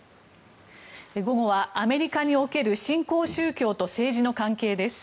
午後は、アメリカにおける新興宗教と政治の関係です。